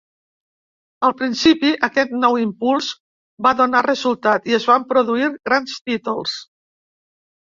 Al principi, aquest nou impuls va donar resultat i es van produir grans títols.